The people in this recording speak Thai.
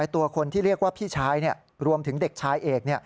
ตัวคนที่เรียกว่าพี่ชายรวมถึงเด็กชายเอก